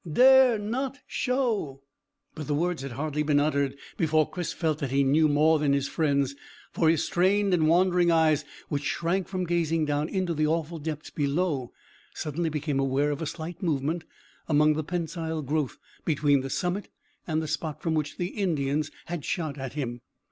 "Dare not show." But the words had hardly been uttered before Chris felt that he knew more than his friends, for his strained and wandering eyes, which shrank from gazing down into the awful depths below, suddenly became aware of a slight movement amongst the pensile growth between the summit and the spot from which the Indians had shot at him.